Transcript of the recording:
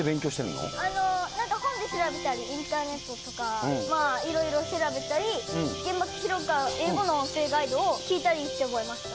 本で調べたり、インターネットとか、まあ、いろいろ調べたり、原爆資料館、英語の音声ガイドを聞いたりして覚えました。